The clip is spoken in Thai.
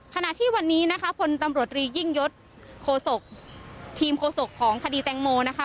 ขณะที่วันนี้นะคะพลตำรวจตรียิ่งยศทีมโฆษกของคดีแตงโมนะคะ